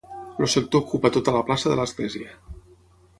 El sector ocupa tota la plaça de l'església.